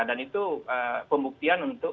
dan itu pembuktian untuk